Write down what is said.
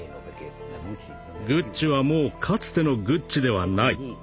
グッチはもうかつてのグッチではない。